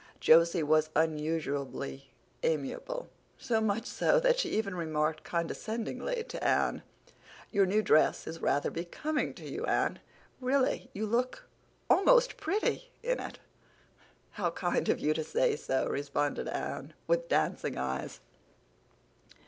Josie was unusually amiable—so much so that she even remarked condescendingly to Anne, "Your new dress is rather becoming to you, Anne. Really, you look almost pretty in it." "How kind of you to say so," responded Anne, with dancing eyes.